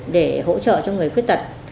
để hỗ trợ cho người khuyết tật